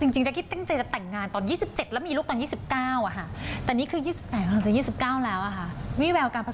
จริงแจ๊กกี้แต่งจะจะแต่งงานตอน๒๗แล้วมีลูกตอน๒๙แต่นี้คือ๒๘ก็ลองจะที๒๙แล้ว